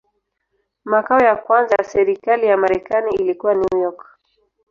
Makao ya kwanza ya serikali ya Marekani ilikuwa New York.